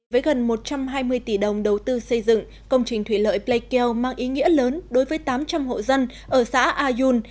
với gần một trăm hai mươi tỷ đồng đầu tư xây dựng công trình thủy lợi pleikeo mang ý nghĩa lớn đối với tám trăm linh hộ dân ở xã ayun